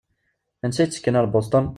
Ansa i ttekken ar Boston?